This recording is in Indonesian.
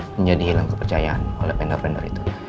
menjadi hilang kepercayaan oleh banner vendor itu